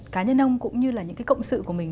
cá nhân ông cũng như là những cái cộng sự của mình